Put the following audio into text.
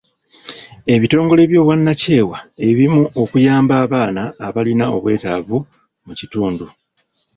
Ebitongole by'obwannakyewa ebimu okuyamba abaana abalina obwetaavu mu kitundu.